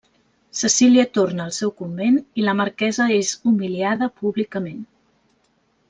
Cecília torna al seu convent i la marquesa és humiliada públicament.